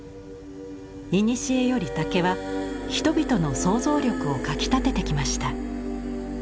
いにしえより竹は人々の想像力をかきたててきました。